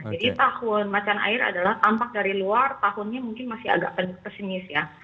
tahun macan air adalah tampak dari luar tahunnya mungkin masih agak pesimis ya